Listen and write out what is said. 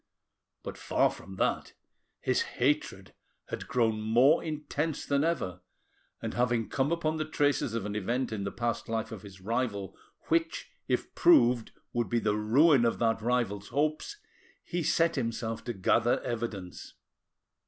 But, far from that, his hatred had grown more intense than ever, and having come upon the traces of an event in the past life of his rival which if proved would be the ruin of that rival's hopes, he set himself to gather evidence.